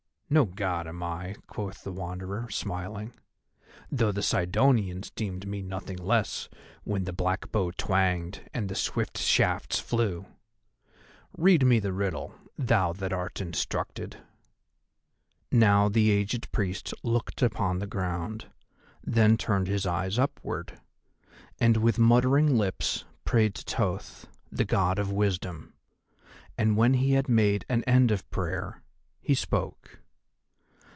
"No God am I," quoth the Wanderer, smiling, "though the Sidonians deemed me nothing less when the black bow twanged and the swift shafts flew. Read me the riddle, thou that art instructed." Now the aged Priest looked upon the ground, then turned his eyes upward, and with muttering lips prayed to Thoth, the God of Wisdom. And when he had made an end of prayer he spoke.